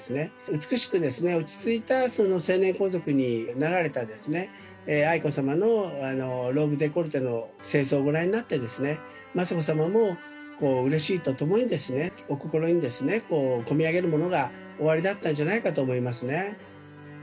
美しく落ち着いた成年皇族になられた愛子さまのローブデコルテの正装をご覧になって、雅子さまもうれしいとともに、お心に込み上げるものがおありだったんじゃないかと思いますね。